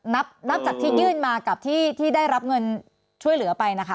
นับจากที่ยื่นมากับที่ได้รับเงินช่วยเหลือไปนะคะ